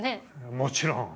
もちろん。